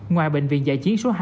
ngoài bệnh viện dạy chiến số hai